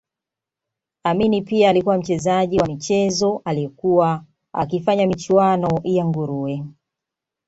Amin pia alikuwa mchezaji wa michezo aliyekuwa akifanya michuano ya nguruwe